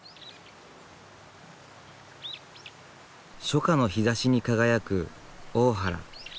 初夏の日ざしに輝く大原。